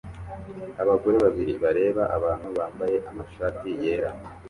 Abagore babiri bareba abantu bambaye amashati yera